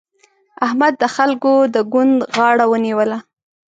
احمد د خلګو د ګوند غاړه ونيوله.